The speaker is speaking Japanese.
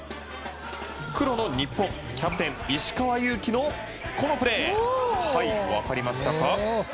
黒の日本、キャプテン石川祐希のこのプレー分かりましたか？